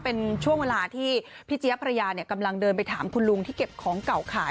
เป็นช่วงเวลาที่พี่เจี๊ยบภรรยากำลังเดินไปถามคุณลุงที่เก็บของเก่าขาย